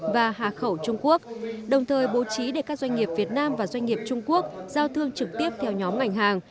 và hà khẩu trung quốc đồng thời bố trí để các doanh nghiệp việt nam và doanh nghiệp trung quốc giao thương trực tiếp theo nhóm ngành hàng